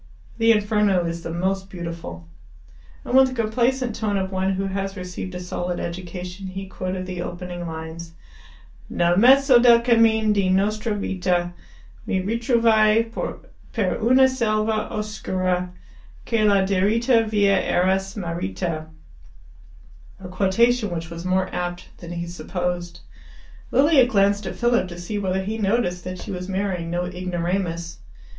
The 'Inferno' is the most beautiful." And with the complacent tone of one who has received a solid education, he quoted the opening lines Nel mezzo del cammin di nostra vita Mi ritrovai per una selva oscura Che la diritta via era smarrita a quotation which was more apt than he supposed. Lilia glanced at Philip to see whether he noticed that she was marrying no ignoramus.